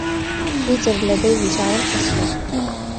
بيتر لديه شعر أسود.